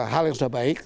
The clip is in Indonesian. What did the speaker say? hal yang sudah baik